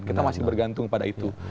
kita masih bergantung pada itu